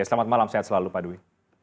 selamat malam sehat selalu pak dwi